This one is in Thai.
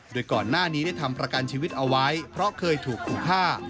โดยก่อนหน้านี้ได้ทำประกันชีวิตเอาไว้เพราะเคยถูกขู่ฆ่า